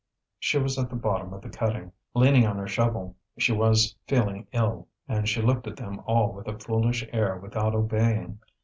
She was at the bottom of the cutting, leaning on her shovel; she was feeling ill, and she looked at them all with a foolish air without obeying.